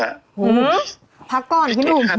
พักก่อนพี่หนุ่ม